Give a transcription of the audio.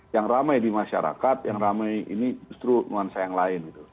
yang ramai di masyarakat yang ramai ini justru nuansa yang lain gitu